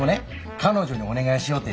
彼女にお願いしようて。